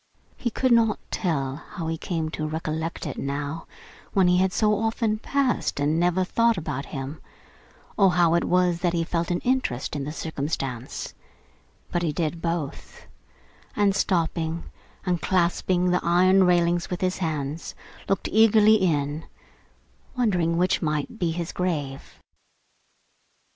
He could not tell how he came to recollect it now, when he had so often passed and never thought about him, or how it was that he felt an interest in the circumstance; but he did both; and stopping, and clasping the iron railings with his hands, looked eagerly in, wondering which might be his grave.